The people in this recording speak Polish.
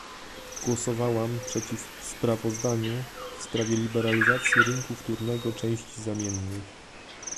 Głosowałam przeciw sprawozdaniu w sprawie liberalizacji rynku wtórnego części zamiennych